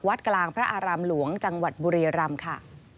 กลางพระอารามหลวงจังหวัดบุรียรำค่ะ